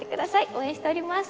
応援しております。